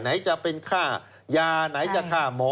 ไหนจะเป็นค่ายาไหนจะฆ่าหมอ